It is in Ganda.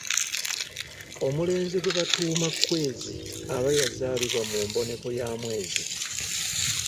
Omulenzi gwe batuuma Kwezi aba yazaalibwa mu mboneko ya mwezi.